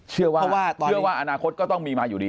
เชื่อว่าอนาคตก็ต้องมีมาอยู่ดี